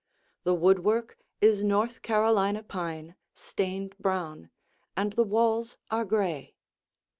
The woodwork is North Carolina pine stained brown, and the walls are gray.